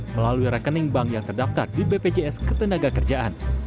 melalui rekening bank yang terdaftar di bpjs ketenagakerjaan